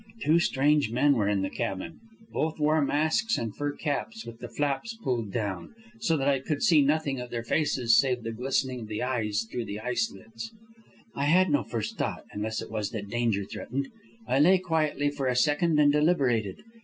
Two strange men were in the cabin. Both wore masks and fur caps with the flaps pulled down, so that I could see nothing of their faces save the glistening of the eyes through the eye slits. "I had no first thought, unless it was that danger threatened. I lay quietly for a second and deliberated.